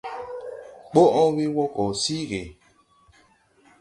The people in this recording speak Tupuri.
Ɓɔʼn we wɔ gɔ siigi.